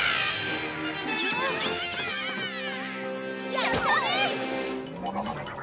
やったね！